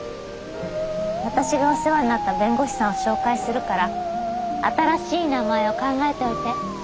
私がお世話になった弁護士さんを紹介するから新しい名前を考えておいて。